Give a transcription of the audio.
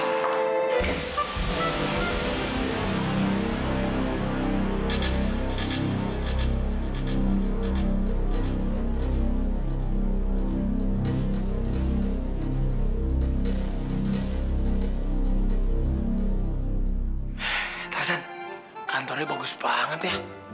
eh tersen kantornya bagus banget ya